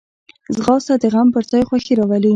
ځغاسته د غم پر ځای خوښي راولي